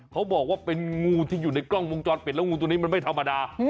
เขาบอกว่าเป็นงูที่อยู่ในกล้องวงจรปิดแล้วงูตัวนี้มันไม่ธรรมดา